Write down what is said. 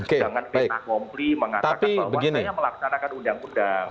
jangan fitnah kompli mengatakan bahwa saya melaksanakan undang undang